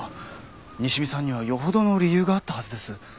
西見さんにはよほどの理由があったはずです。